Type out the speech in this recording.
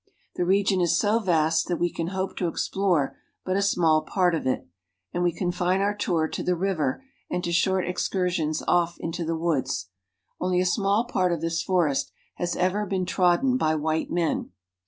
The region is so vast that we can hope to explore but a small part of it, and we confine our tour IN THE GREAT AFRICAN FOREST — PYGMIES 247 to the river and to short excursions off into the woods. Only a small part of this forest has ever been trodden by white men.